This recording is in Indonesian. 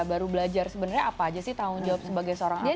baru belajar sebenarnya apa aja sih tanggung jawab sebagai seorang anak